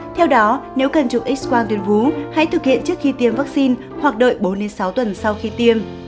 theo đó nếu cần chụp x quang tuyên vú hãy thực hiện trước khi tiêm vaccine hoặc đợi bốn sáu tuần sau khi tiêm